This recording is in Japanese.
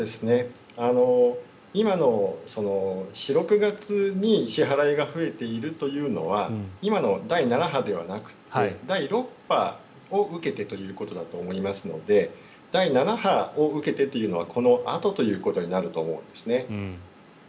今の４６月に支払いが増えているというのは今の第７波ではなくて第６波を受けてということだと思いますので第７波を受けてというのはこのあとということになると思うんですね。